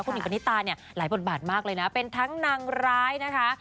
หิงปณิตาเนี่ยหลายบทบาทมากเลยนะเป็นทั้งนางร้ายนะคะ